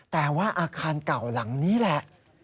แต่ว่าอาคารเก่าหลังนี้แหละ